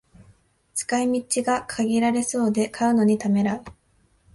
使い道が限られそうで買うのにためらう